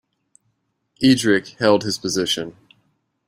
Eadric held his position.